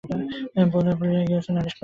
বোধ হয় ভুলিয়া গিয়াছে নালিশ করিতে।